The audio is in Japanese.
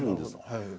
はい。